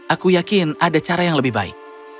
aku yakin ada cara yang lebih baik